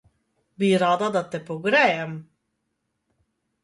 Bi rada, da te pogrejem?